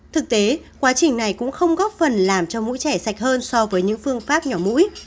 thực tế quá trình này cũng không góp phần làm cho mũi trẻ sạch hơn so với những phương pháp nhỏ mũi